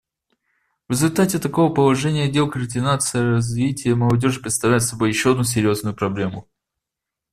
В результате такого положения дел координация развития молодежи представляет собой еще одну серьезную проблему.